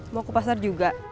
mau ke pasar juga